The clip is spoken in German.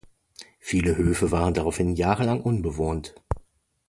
Viele Höfe waren daraufhin jahrelang unbewohnt.